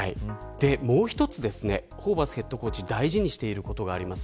もう一つホーバスヘッドコーチ大事にしていることがあります。